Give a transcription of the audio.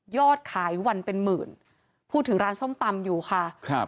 อดขายวันเป็นหมื่นพูดถึงร้านส้มตำอยู่ค่ะครับ